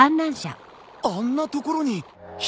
あんなところに人！？